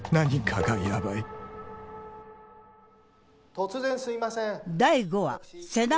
・突然すいません。